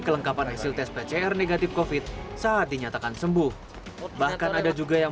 pengetahuan hai dan kapan hasil tes pcr negatif covid saat dinyatakan sembuh bahkan ada juga yang